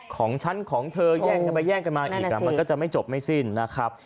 ของฉันของเธอแย่งกันไปแย่งกันมาอีกมันก็จะไม่จบไม่สิ้นนะครับ